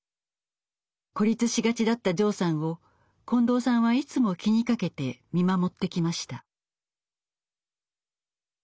孤立しがちだったジョーさんを近藤さんはいつも気にかけて見守ってきました。